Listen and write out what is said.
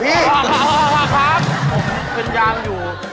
ผมเป็นยางอยู่